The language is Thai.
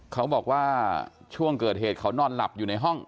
เขาบอกว่าช่วงเกิดเหตุเขานอนหลับอยู่ในห้อง